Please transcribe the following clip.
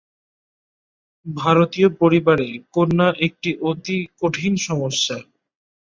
ভারতীয় পরিবারে কন্যা একটি অতি কঠিন সমস্যা।